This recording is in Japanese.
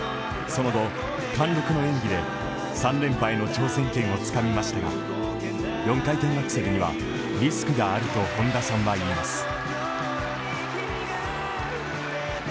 その後、貫禄の演技で、３連覇への挑戦権をつかみましたが４回転アクセルにはリスクがあると本田さんは言います。